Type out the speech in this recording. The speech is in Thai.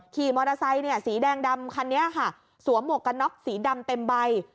ขี่มอเตอร์ไซค์สีแดงดำคันนี้ค่ะสวมหมวกกันน็อกสีดำเต็มใบ